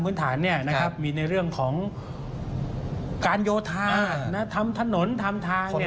พื้นฐานเนี่ยนะครับมีในเรื่องของการโยทานะทำถนนทำทางเนี่ย